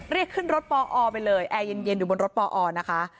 เรียกขึ้นรถปอไปเลยแอร์เย็นอยู่บนรถปอนะคะ